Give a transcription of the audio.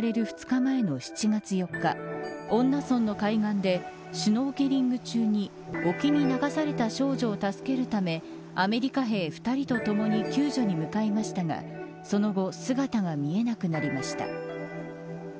２日前の７月４日恩納村の海岸でシュノーケリング中に沖に流された少女を助けるためアメリカ兵２人とともに救助に向かいましたがその後姿が見えなくなりました。